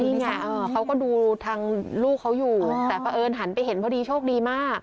นี่ไงเขาก็ดูทางลูกเขาอยู่แต่เพราะเอิญหันไปเห็นพอดีโชคดีมาก